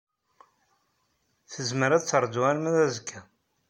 Tezmer ad teṛju arma d azekka.